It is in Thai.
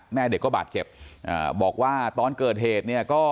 แม่เด็กก็บาดเจ็บบอกว่าตอนเกิดเหตุเนี่ยก็